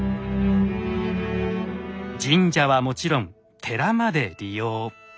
神社はもちろん寺まで利用。